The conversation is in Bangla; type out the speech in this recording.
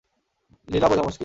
লীলা বোঝা মুশকিল।